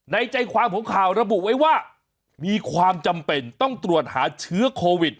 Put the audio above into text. ใจความของข่าวระบุไว้ว่ามีความจำเป็นต้องตรวจหาเชื้อโควิด